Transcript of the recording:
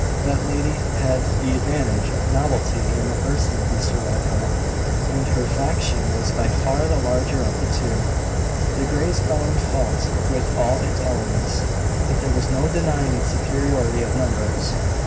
That lady had the advantage of novelty in the person of Mr Walcot, and her `faction' was by far the larger of the two. The Greys found fault with all its elements; but there was no denying its superiority of numbers.